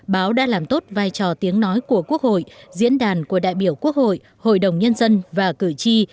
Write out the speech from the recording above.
báo đã làm tốt vai trò tiếng nói của quốc hội diễn đàn của đại biểu quốc hội hội đồng nhân dân và cử tri